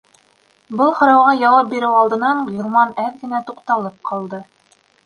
Был һорауға яуап биреү алдынан Ғилман әҙ генә туҡталып ҡалды.